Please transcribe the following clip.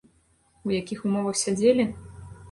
У якіх умовах сядзелі?